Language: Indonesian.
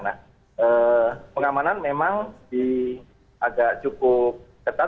nah pengamanan memang agak cukup ketat